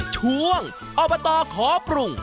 ช่วงออเบอร์ตอร์ขอปรุง